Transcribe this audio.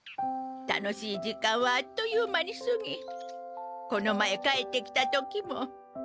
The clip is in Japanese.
楽しい時間はあっという間にすぎこの前帰ってきた時も。